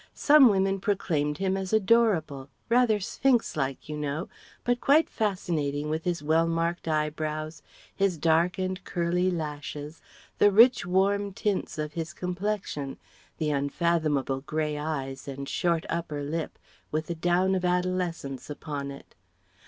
Some women proclaimed him as adorable, rather Sphynx like, you know, but quite fascinating with his well marked eye brows, his dark and curly lashes, the rich warm tints of his complexion, the unfathomable grey eyes and short upper lip with the down of adolescence upon it.